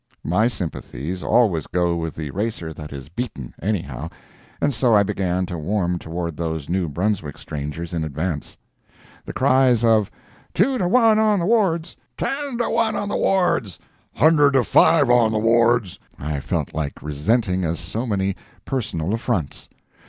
My sympathies always go with the racer that is beaten, anyhow, and so I began to warm toward those New Brunswick strangers in advance. The cries of "Two to one on the Wards!" "Ten to one on the Wards!" "Hundred to five on the Wards!" I felt like resenting as so many personal affronts.